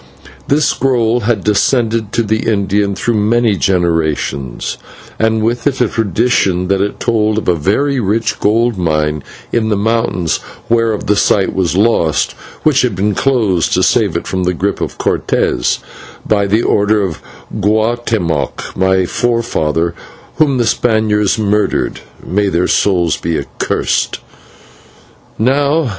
This scroll had descended to the Indian through many generations, and with it a tradition that it told of a very rich gold mine in the mountains whereof the site was lost, which had been closed to save it from the grip of Cortes, by the order of Guatemoc, my forefather, whom the Spaniards murdered may their souls be accursed!